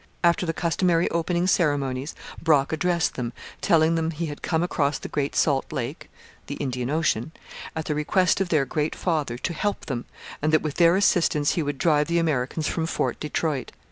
After the customary opening ceremonies Brock addressed them, telling them he had come across the great salt lake (the Atlantic ocean), at the request of their great father, to help them, and that with their assistance he would drive the Americans from Fort Detroit.